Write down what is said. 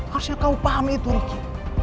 harusnya kamu pahami itu ricky